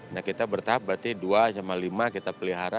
nah kita bertahap berarti dua sama lima kita pelihara